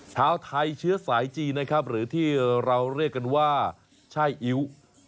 ชาวไทยเชื้อสายจีนนะครับหรือที่เราเรียกกันว่าช่ายอิ๊ว